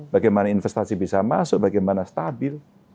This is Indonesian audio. bagaimana investasi bisa masuk bagaimana stabil